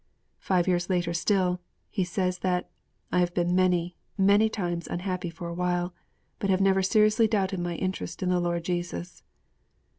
Five years later still, he says that 'I have been many, many times unhappy for awhile, but have never seriously doubted my interest in the Lord Jesus.'